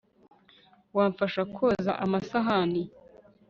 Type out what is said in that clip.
wamfasha koza amasahani